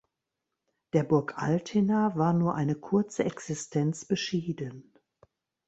Der Burg Altena war nur eine kurze Existenz beschieden.